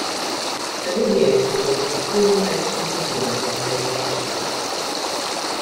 A video tour is a full motion video of a location.